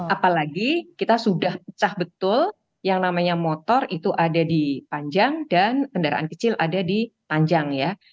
apalagi kita sudah pecah betul yang namanya motor itu ada di panjang dan kendaraan kecil ada di panjang ya